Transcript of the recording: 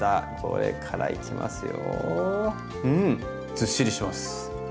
ずっしりしてます。